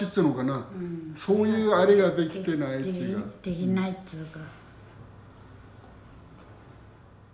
できないっつうか。